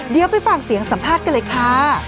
เดี๋ยวไปฟังเสียงสัมภาษณ์กันเลยค่ะ